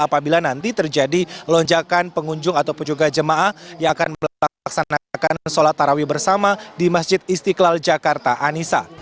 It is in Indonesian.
apabila nanti terjadi lonjakan pengunjung ataupun juga jemaah yang akan melaksanakan sholat tarawih bersama di masjid istiqlal jakarta anissa